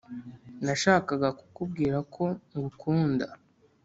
nashakaga kukubwira ko ngukunda